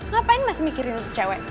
ngapain masih mikirin untuk cewek